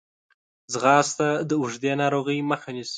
ځغاسته د اوږدې ناروغۍ مخه نیسي